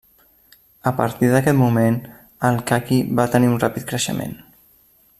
A partir d'aquest moment el caqui va tenir un ràpid creixement.